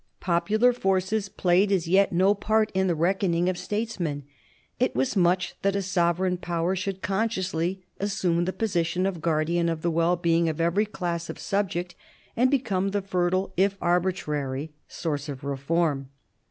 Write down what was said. Popular forces played as yet no part in the reckoning of statesmen. It was much that a sovereign power should consciously assume the position of guardian of the well being of every class of subject, and become the fertile, if arbitrary, source of reform.